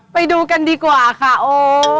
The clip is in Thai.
ไปดูกันดีกว่าค่ะโอ้